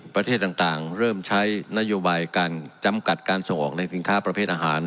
ประเทศต่างเริ่มใช้นโยบายการจำกัดการส่งออกในสินค้าประเภทอาหาร